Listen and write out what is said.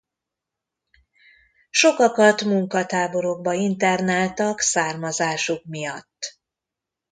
Sokakat munkatáborokba internáltak származásuk miatt.